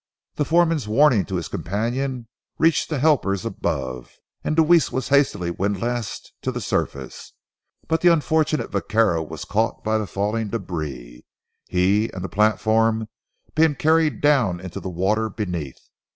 The foreman's warning to his companion reached the helpers above, and Deweese was hastily windlassed to the surface, but the unfortunate vaquero was caught by the falling debris, he and the platform being carried down into the water beneath.